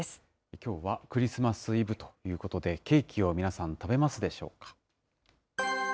きょうはクリスマスイブということで、ケーキを皆さん、食べますでしょうか。